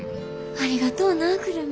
ありがとうな久留美。